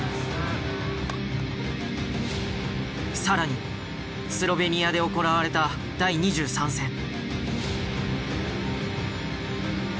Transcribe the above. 更にスロベニアで行われた第２３戦。